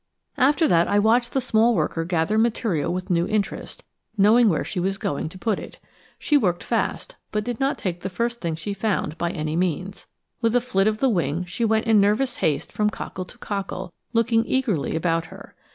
After that I watched the small worker gather material with new interest, knowing where she was going to put it. She worked fast, but did not take the first thing she found, by any means. With a flit of the wing she went in nervous haste from cockle to cockle, looking eagerly about her.